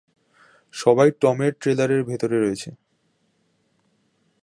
সবাই টমের ট্রেলারের ভেতরে রয়েছে।